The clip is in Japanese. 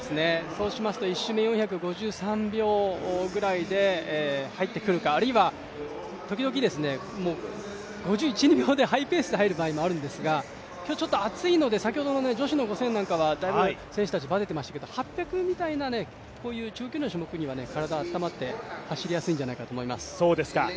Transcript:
そうしますと１周４００ｍ５３秒ぐらいで入ってくるかあるいはときどき、５１秒でハイペースで入る場合もあるんですが今日ちょっと暑いので、先ほどの女子の５０００なんかはだいぶ選手たちバテてましたが、８００みたいな、こういう中距離は温まって走りやすいんじゃないかと思います。